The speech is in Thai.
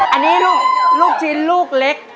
อันนี้ลูกลูกชิ้นลูกเล็ก